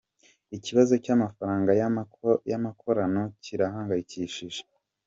Ikibazo cy’Amafaranga y’Amakorano kirahangayikishije